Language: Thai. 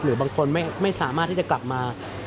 บางคนไม่สามารถที่จะกลับมา